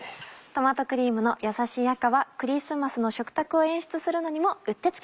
トマトクリームのやさしい赤はクリスマスの食卓を演出するのにもうってつけ。